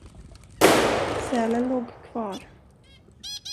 Sälen låg kvar.